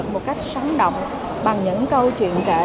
một cách sáng động bằng những câu chuyện kể